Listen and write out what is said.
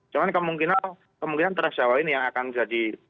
cuma kemungkinan terakhir jawa ini yang akan jadi